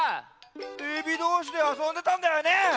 エビどうしであそんでたんだよね！